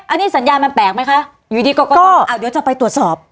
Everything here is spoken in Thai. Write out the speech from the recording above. อันนี้สัญญาณมันแปลกไหมคะอยู่ดีกรกตเดี๋ยวจะไปตรวจสอบ